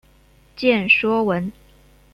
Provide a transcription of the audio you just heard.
见说文。